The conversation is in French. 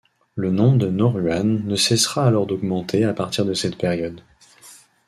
Le nombre de Nauruans ne cessera alors d'augmenter à partir de cette période.